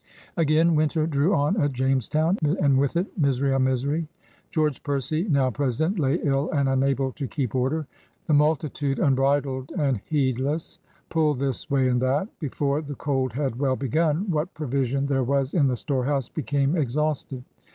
Again winter drew on at Jamestown, and with it misery on misery. George Percy, now Presi dent, lay ill and unable to keep order. The multi tude, "imbridled and heedless, pulled this way and that. Before the cold had well b^gun, what provision there was in the storehouse became ex hausted.